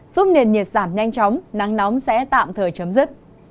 giúp nền nhiệt giảm nhanh chóng nắng nóng sẽ tạm thời chấm dứt